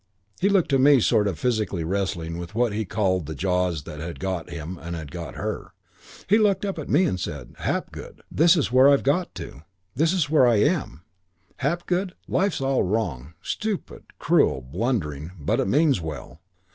He looked to me sort of physically wrestling with what he called the jaws that had got him and had got her. He looked up at me and he said, 'Hapgood, this is where I've got to. This is where I am. Hapgood, life's all wrong, stupid, cruel, blundering, but it means well.